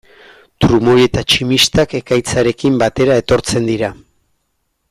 Trumoi eta tximistak ekaitzarekin batera etortzen dira.